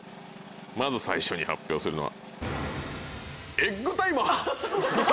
まず最初に発表するのは。